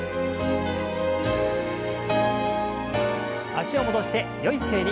脚を戻してよい姿勢に。